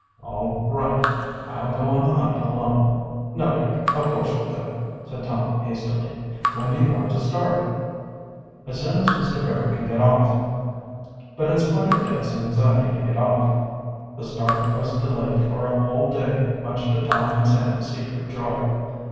"All right; I'll go on the hunt alone." "No, Dick, of course we'll go," said Tom hastily. "When do you want to start?" "As soon as Mr. Barrow can get off." But, in spite of Dick's anxiety to get off, the start was delayed for a whole day, much to Tom and Sam's secret joy.